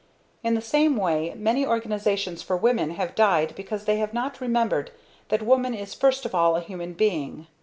In the same way many organizations for women have died because they have not remembered that woman is first of all a human being.